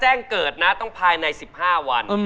แจ้งเกิดนะต้องภายใน๑๕วัน